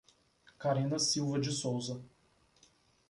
Carina Silva de Souza